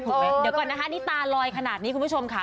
เดี๋ยวก่อนนะคะนี่ตาลอยขนาดนี้คุณผู้ชมค่ะ